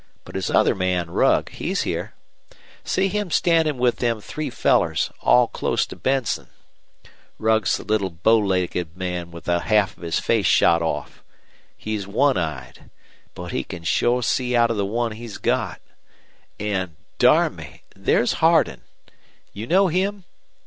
But his other man, Rugg, he's here. See him standin' with them three fellers, all close to Benson. Rugg's the little bow legged man with the half of his face shot off. He's one eyed. But he can shore see out of the one he's got. An', darn me! there's Hardin. You know him?